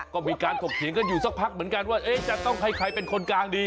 ก็มีการถกเถียงกันอยู่สักพักเหมือนกันว่าจะต้องให้ใครเป็นคนกลางดี